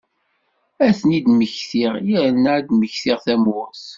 Ad ten-id-mmektiɣ, yerna ad d-mmektiɣ tamurt.